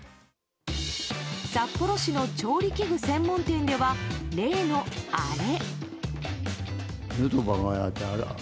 札幌市の調理器具専門店では例のあれ。